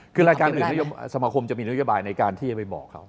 คือรายการอื่นสมาคมจะมีนโยบายในการที่จะไปบอกเขา